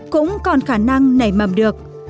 cũng còn khả năng nảy mầm được